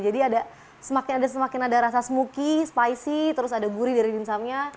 jadi ada semakin ada rasa smokey spicy terus ada gurih dari dimsumnya